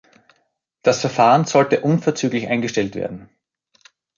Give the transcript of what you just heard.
Das Verfahren sollte unverzüglich eingestellt werden.